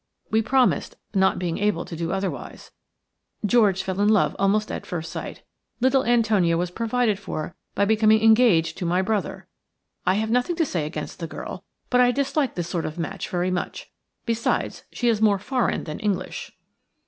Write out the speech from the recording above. We promised, not being able to do otherwise. George fell in love almost at first sight. Little Antonia was provided for by becoming engaged to my brother. I have nothing to say against the girl, but I dislike this sort of match very much. Besides, she is more foreign than English."